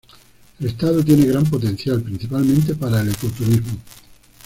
El estado tiene gran potencial, principalmente para el ecoturismo.